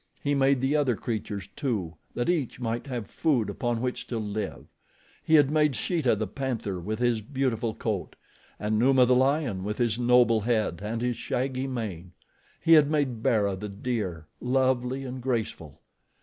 He made the other creatures, too, that each might have food upon which to live. He had made Sheeta, the panther, with his beautiful coat; and Numa, the lion, with his noble head and his shaggy mane. He had made Bara, the deer, lovely and graceful.